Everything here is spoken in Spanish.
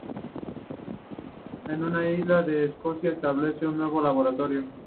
En una isla de Escocia establece un nuevo laboratorio.